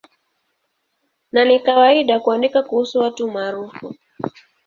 Na ni kawaida kuandika kuhusu watu maarufu.